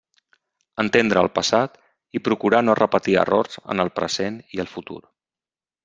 Entendre el passat i procurar no repetir errors en el present i el futur.